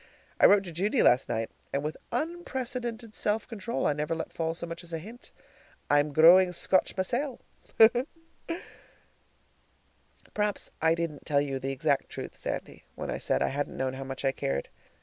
I wrote to Judy last night, and with unprecedented self control I never let fall so much as a hint. I'm growing Scotch mysel'! Perhaps I didn't tell you the exact truth, Sandy, when I said I hadn't known how much I cared.